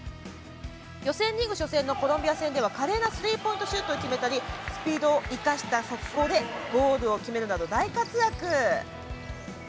予選リーグ初戦のコロンビア戦では華麗なスリーポイントシュートを決めたりスピードを生かした速攻でゴールをするなど大活躍。